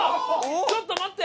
ちょっと待って。